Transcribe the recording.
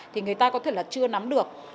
thì người ta có thể là chưa nắm được